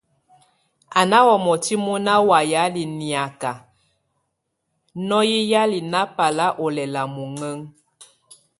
A ná wʼ omɔtɛ́ mona wa yála niak, a nɔn yala nábal ólɛlak muɛŋɛŋ.